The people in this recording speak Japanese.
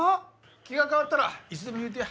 気が変わったらいつでも言うてや。